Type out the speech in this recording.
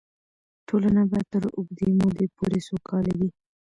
ټولنه به تر اوږدې مودې پورې سوکاله وي.